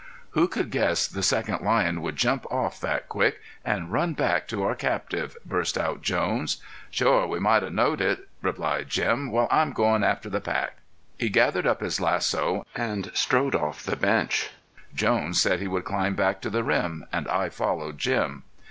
"Who could guess the second lion would jump off that quick and run back to our captive?" burst out Jones. "Shore we might have knowed it," replied Jim. "Well, I'm goin' after the pack." He gathered up his lasso and strode off the bench. Jones said he would climb back to the rim, and I followed Jim.